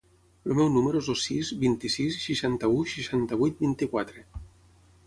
El meu número es el sis, vint-i-sis, seixanta-u, seixanta-vuit, vint-i-quatre.